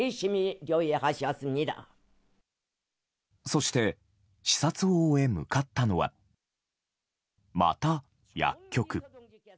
そして、視察を終え向かったのはまた薬局。